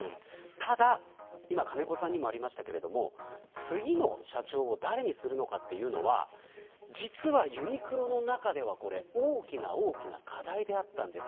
ただ、今、金子さんもおっしゃいましたが次の社長を誰にするのかというのは実は、ユニクロの中では大きな大きな課題であったんです。